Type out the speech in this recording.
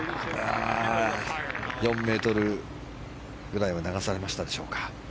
４ｍぐらいは流されましたでしょうか。